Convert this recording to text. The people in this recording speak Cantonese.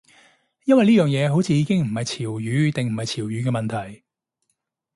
因為呢樣嘢好似已經唔係潮語定唔係潮語嘅問題